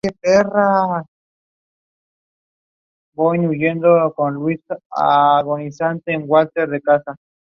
Andrea Aguad coautora del libro "Lola Falcón.